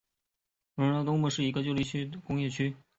埃华街的东部是一个工厂大厦不少的旧工业区。